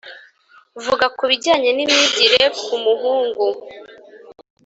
Vuga ku bijyanye n’imyigire ku muhungu